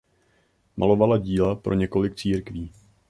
Malovala díla pro několik církví.